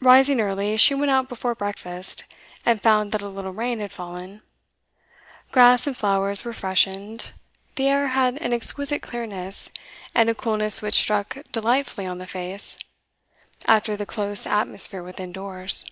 Rising early, she went out before breakfast, and found that a little rain had fallen. Grass and flowers were freshened; the air had an exquisite clearness, and a coolness which struck delightfully on the face, after the close atmosphere within doors.